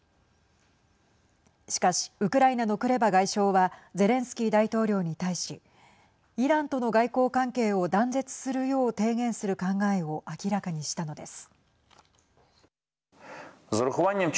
しかしウクライナのクレバ外相はゼレンスキー大統領に対しイランとの外交関係を断絶するよう提言する考えを明らかにしたのです。